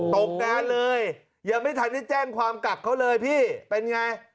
ตกงานเลยยังไม่ทันได้แจ้งความกลับเขาเลยพี่เป็นไง